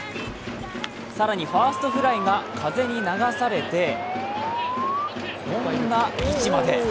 更にファーストフライが風に流されて、こんな位置まで。